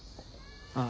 ああ。